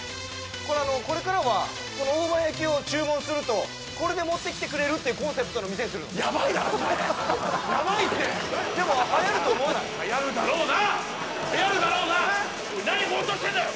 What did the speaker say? これあのこれからはこの大判焼きを注文するとこれで持ってきてくれるっていうコンセプトの店にするのヤバいなそれヤバいってでもはやると思わない？はやるだろうなはやるだろうな何ボーッとしてんだよ